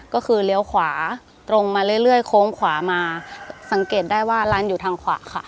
ก็คือเลี้ยวขวาตรงมาเรื่อยโค้งขวามาสังเกตได้ว่าร้านอยู่ทางขวาค่ะ